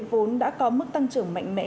vốn đã có mức tăng trưởng mạnh mẽ